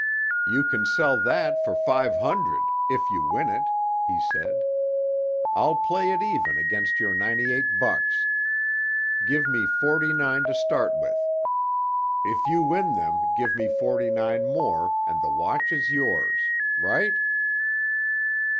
"You can sell that for five hundred—if you win it," he said. "I'll play it even against your ninety eight bucks. Give me forty nine to start with. If you win them give me forty nine more, and the watch is yours. Right?"